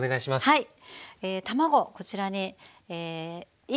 はい。